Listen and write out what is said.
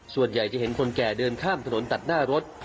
ส่วนใหญ่จะเห็นคนแก่เดินข้ามถนนตัดหน้ารถ